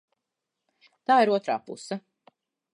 Tā ir otrā puse.